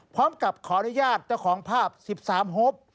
พร้อมกับขออนุญาตเจ้าของภาพ๑๓ฮบ